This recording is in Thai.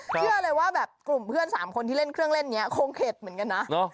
เชื่อเลยว่าแบบกลุ่มเพื่อน๓คนที่เล่นเครื่องเล่นนี้คงเข็ดเหมือนกันนะ